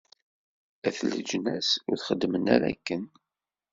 At leǧnas, ur xeddmen ara akken?